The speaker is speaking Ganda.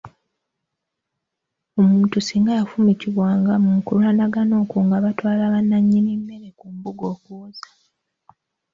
Omuntu singa yafumitiwanga mu kulwanagana okwo nga batwala nnannyini mmere ku mbuga okuwoza.